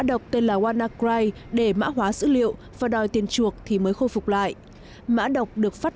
đọc là wannacry để mã hóa dữ liệu và đòi tiền chuộc thì mới khôi phục lại mã đọc được phát